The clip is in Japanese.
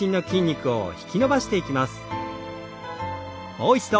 もう一度。